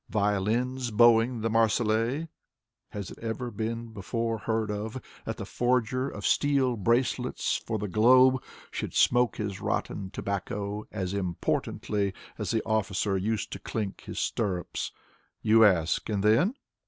Violins bowing the Marseillaise? Anatoly Marienhof 179 Has it ever before been heard of, that the forger Of steel bracelets for the globe Should smoke his rotten tobacco as importantly As the officer used to clink his stirrups? You ask — ^And then?